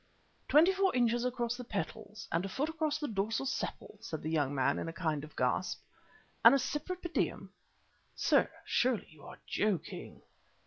"Twenty four inches across the petals and a foot across the dorsal sepal!" said the young man in a kind of gasp, "and a Cypripedium! Sir, surely you are joking?"